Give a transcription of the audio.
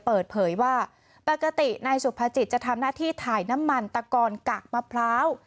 เปิดเผยว่าปกตินายสุภาจิตจะทำหน้าที่ถ่ายน้ำมันตะกอนกากมะพร้าว